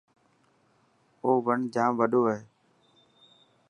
اي وڻ ڄام وڏو هي.